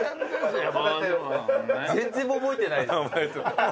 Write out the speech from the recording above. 全然覚えてないです。